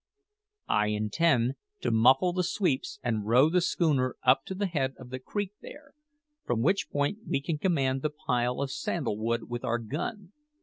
"I intend to muffle the sweeps and row the schooner up to the head of the creek there, from which point we can command the pile of sandal wood with our gun.